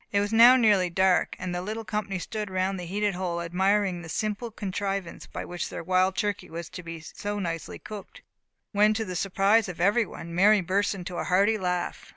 It was now nearly dark. The little company stood around the heated hole, admiring the simple contrivance by which their wild turkey was to be so nicely cooked, when, to the surprise of every one, Mary burst into a hearty laugh.